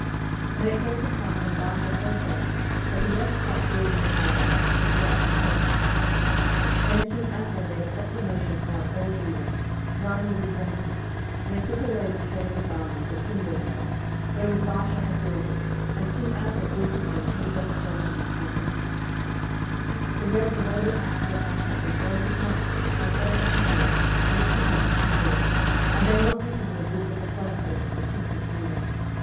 11:015:021 And it came to pass, when Baasha heard thereof, that he left off building of Ramah, and dwelt in Tirzah. 11:015:022 Then king Asa made a proclamation throughout all Judah; none was exempted: and they took away the stones of Ramah, and the timber thereof, wherewith Baasha had builded; and king Asa built with them Geba of Benjamin, and Mizpah. 11:015:023 The rest of all the acts of Asa, and all his might, and all that he did, and the cities which he built, are they not written in the book of the chronicles of the kings of Judah?